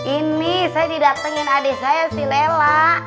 ini saya didatengin adik saya si lela